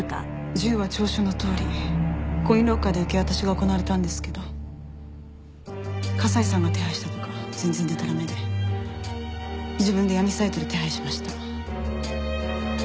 銃は調書のとおりコインロッカーで受け渡しが行われたんですけど加西さんが手配したとか全然でたらめで自分で闇サイトで手配しました。